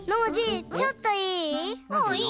うんいいよ。